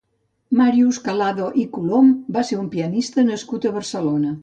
Màrius Calado i Colom va ser un pianista nascut a Barcelona.